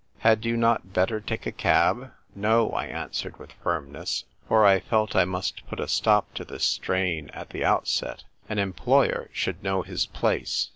" Had you not better take a cab ?" "No," I answered with firmness ; for I felt I must put a stop to this strain at the out set. An employer should know his place.